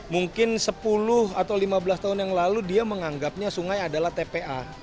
mungkin sepuluh atau lima belas tahun yang lalu dia menganggapnya sungai adalah tpa